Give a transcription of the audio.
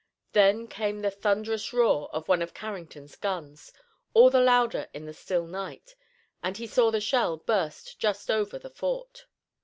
Then came the thunderous roar of one of Carrington's guns, all the louder in the still night, and he saw the shell burst just over the fort.